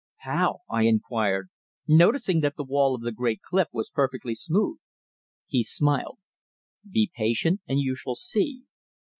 "How?" I inquired, noticing that the wall of the great cliff was perfectly smooth. He smiled. "Be patient, and you shall see.